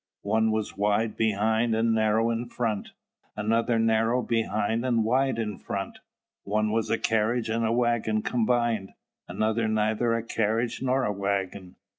One was wide behind and narrow in front; another narrow behind and wide in front. One was a carriage and a waggon combined; another neither a carriage nor a waggon.